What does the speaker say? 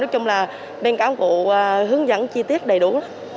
và bên cảng vụ hướng dẫn chi tiết đầy đủ